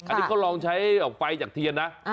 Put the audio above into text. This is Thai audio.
อันนี้เขาลองใช้ไฟจากเทียนนะ